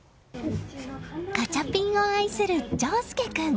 ガチャピンを愛する丞亮君。